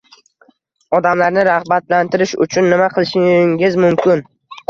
Odamlarni rag‘batlantirish uchun nima qilishingiz mumkin?